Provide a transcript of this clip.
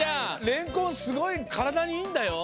れんこんすごいからだにいいんだよ。